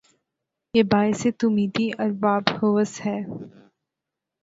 یہ باعث تومیدی ارباب ہوس ھے